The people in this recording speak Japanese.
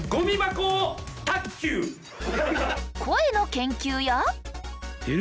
声の研究や。